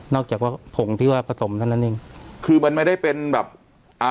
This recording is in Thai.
จากว่าผงที่ว่าผสมเท่านั้นเองคือมันไม่ได้เป็นแบบอ่า